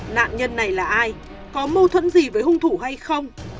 nạn nhân này là ai có mâu thuẫn gì với hung thủ hay không